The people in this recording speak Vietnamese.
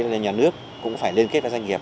là nhà nước cũng phải liên kết với doanh nghiệp